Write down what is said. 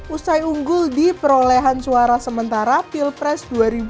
usai unggul di perolehan suara sementara pilpres dua ribu dua puluh